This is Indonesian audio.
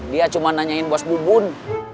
dia cuma nanyain bos bubun